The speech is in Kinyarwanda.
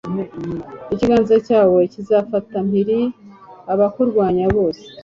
Ikiganza cyawe kizafata mpiri abakurwanya bose